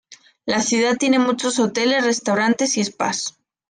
La ciudad tiene muchos hoteles, restaurantes y spas.